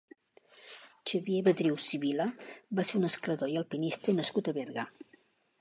Xavier Batriu Sibila va ser un escalador i alpinista nascut a Berga.